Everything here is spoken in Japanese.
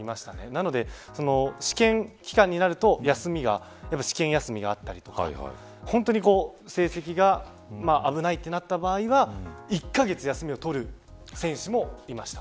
なので、試験期間になると試験休みがあったりとか本当に成績が危ないとなった場合は１カ月休みを取る選手もいました。